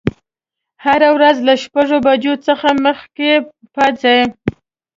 هره ورځ له شپږ بجو څخه مخکې پاڅئ.